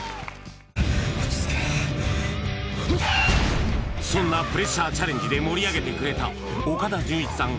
落ち着けそんなプレッシャーチャレンジで盛り上げてくれた岡田准一さん